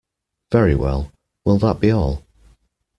Very well, will that be all?